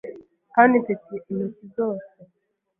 kandi mfite intoki zose